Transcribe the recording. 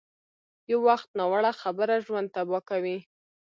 یو وخت ناوړه خبره ژوند تباه کوي.